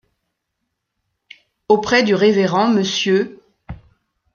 Auprès du révérend Mr.